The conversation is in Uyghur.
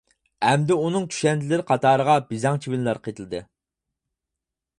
ئەمدى ئۇنىڭ كۈشەندىلىرى قاتارىغا بېزەڭ چىۋىنلار قېتىلدى.